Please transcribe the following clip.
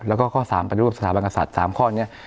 แล้วก็ข้อสามเป็นรูปสถาบังกษัตริย์สามข้อนี้